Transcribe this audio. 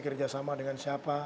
kerjasama dengan siapa